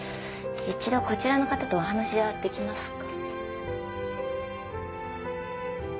一度こちらの方とお話はできますか？